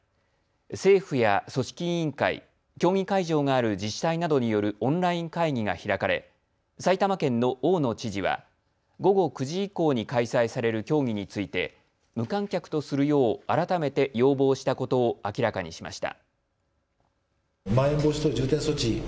政府や組織委員会、競技会場がある自治体などによるオンライン会議が開かれ埼玉県の大野知事は午後９時以降に開催される競技について無観客とするよう改めて要望したことを明らかにしました。